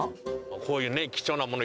こういうね貴重なもの